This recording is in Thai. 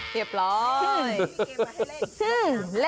มีเกมมาให้เล่น